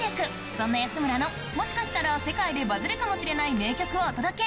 そんな安村のもしかしたら世界でバズるかもしれない名曲をお届け